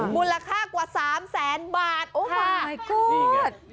มูลค่ากว่า๓๐๐๐๐๐บาทโอ้มายกู๊ด